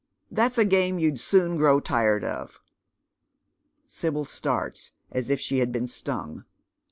That's a game you'd eoon grow tired of." Sibyl starts as if she had been stung.